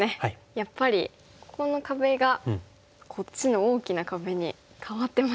やっぱりここの壁がこっちの大きな壁に変わってますよね。